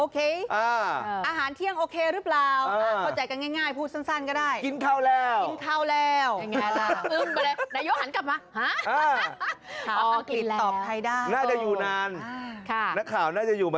คุณผู้ชมได้ยินไหม